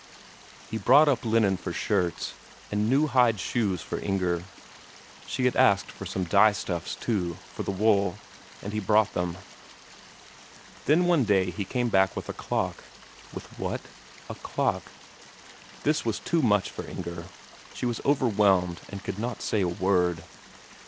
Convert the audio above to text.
He brought up linen for shirts, and new hide shoes for Inger. She had asked for some dye stuffs, too, for the wool, and he brought them. Then one day he came back with a clock. With what? A clock. This was too much for Inger; she was overwhelmed and could not say a word.